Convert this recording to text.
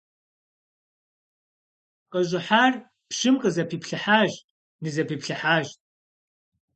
КъыщӀыхьар пщым къызэпиплъыхьащ, нызэпиплъыхьащ.